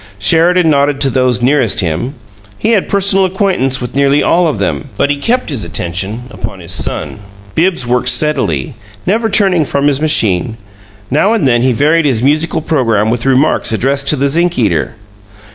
Sheridan nodded to those nearest him he had personal acquaintance with nearly all of them but he kept his attention upon his son. Bibbs worked steadily, never turning from his machine. Now and then he varied his musical programme with remarks addressed to the zinc eater.